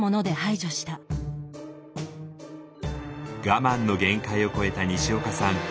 我慢の限界を超えたにしおかさん